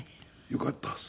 よかったです。